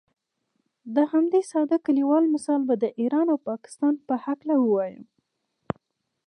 د همدې ساده کلیوال مثال به د ایران او پاکستان په هکله ووایم.